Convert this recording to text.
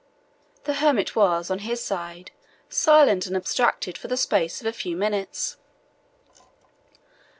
The hermit was, on his side, silent and abstracted for the space of a few minutes.